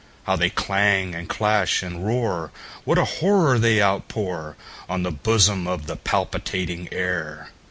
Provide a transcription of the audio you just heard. How they clang, and clash, and roar! What a horror they outpourOn the bosom of the palpitating air!